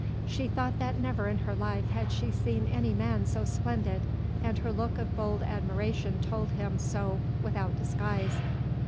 She thought that never in her life had she seen any man so splendid and her look of bold admiration told him so without disguise.